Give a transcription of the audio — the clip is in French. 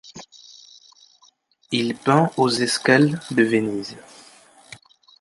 Il peint aux escales de Venise.